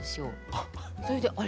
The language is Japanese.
それであれ？